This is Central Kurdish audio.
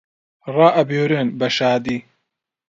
ڕائەبوێرن بە شادی